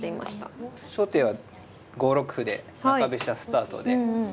初手は５六歩で中飛車スタートで。